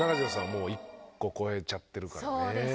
もう１個越えちゃってるからね。